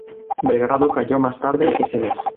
Belgrado cayó más tarde ese mes.